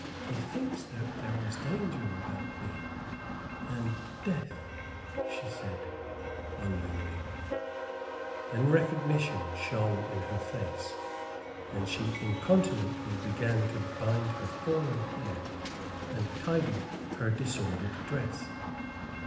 "Methinks that there was danger about me, and death," she said, wonderingly. Then recognition shone in her face, and she incontinently began to bind her fallen hair and tidy her disordered dress.